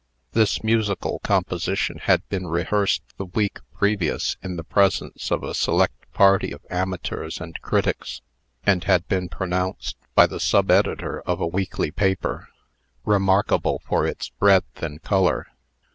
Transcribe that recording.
This musical composition had been rehearsed the week previous in the presence of a select party of amateurs and critics, and had been pronounced, by the sub editor of a weekly paper, "remarkable for its breadth and color."